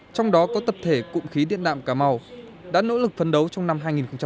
trong đó có tập thể cụng khí điện đạm cà mau đã nỗ lực phấn đấu trong năm hai nghìn hai mươi